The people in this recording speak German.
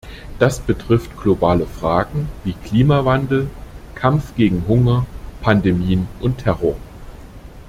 Das betrifft globale Fragen wie Klimawandel, Kampf gegen Hunger, Pandemien und Terror.